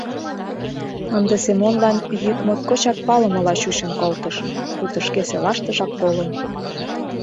Ынде Семонлан йӱк моткочак палымыла чучын колтыш, пуйто шке селаштыжак колын.